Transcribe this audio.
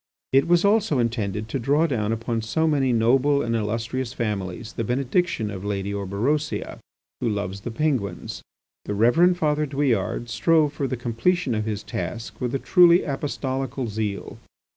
It was also intended to draw down upon so man noble and illustrious families the benediction of L. Orberosia, who loves the Penguins. The Reverend Father Douillard strove for the completion of his task with a truly apostolical zeal.